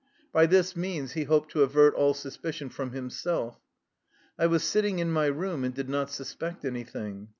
By this means he hoped to avert all suspicion from him self. I was sitting in my room and did not sus pect anything.